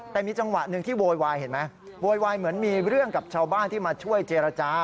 แต่มีจังหวะหนึ่งที่โวยวายเห็นไหมโวยวายเหมือนมีเรื่องกับชาวบ้านที่มาช่วยเจรจา